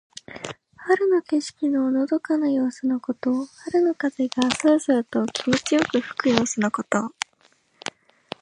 春の景色ののどかな様子のこと。春の風がそよそよと気持ちよく吹く様子のこと。